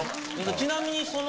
ちなみにその。